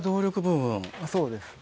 そうです。